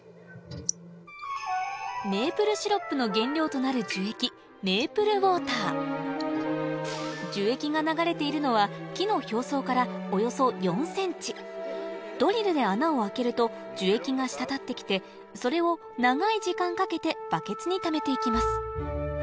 メープルシロップの原料となる樹液樹液が流れているのは木の表層からおよそ４ｃｍドリルで穴を開けると樹液が滴ってきてそれを長い時間かけてバケツにためていきます